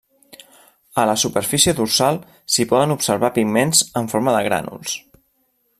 A la superfície dorsal s'hi poden observar pigments en forma de grànuls.